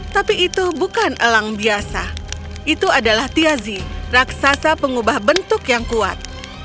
tapi itu bukan elang biasa itu adalah tiazi raksasa pengubah bentuk yang kuat